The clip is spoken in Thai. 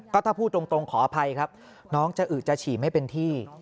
ก็ถ้าพูดตรงขออภัยครับน้องจะอึดจะฉี่ไม่เป็นที่